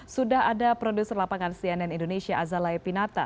sudah ada produser lapangan cnn indonesia azalai pinata